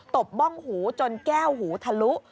ตบบ้องหูจนแก้วหูทะลุ